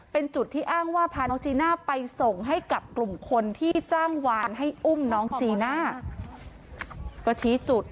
เป็นจุดที่อ้างว่าพาน้องจีน่าไปส่งให้กับกลุ่มคนที่จ้างวานให้อุ้มน้องจีน่าก็ชี้จุด